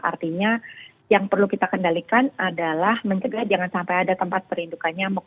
artinya yang perlu kita kendalikan adalah mencegah jangan sampai ada tempat perindukan nyamuk